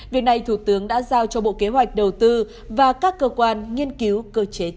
việc này thủ tướng đã giao cho bộ kế hoạch đầu tư và các cơ quan nghiên cứu cơ chế chính sách